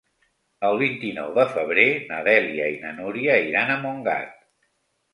El vint-i-nou de febrer na Dèlia i na Núria iran a Montgat.